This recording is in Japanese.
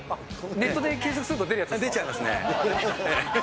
ネットで検索すると出るやつ出ちゃいますね。